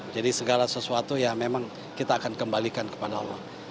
jadi segala sesuatu ya memang kita akan kembalikan kepada allah